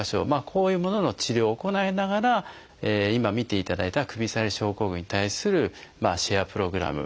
こういうものの治療を行いながら今見ていただいた首下がり症候群に対するシェアプログラム